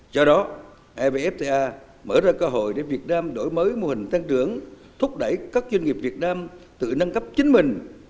do đó evfta mở ra cơ hội để việt nam đổi mới mô hình tăng trưởng thúc đẩy các doanh nghiệp việt nam tự nâng cấp chính mình